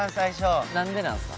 何でなんすか？